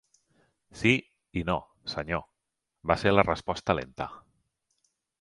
Sí, i no, senyor, va ser la resposta lenta.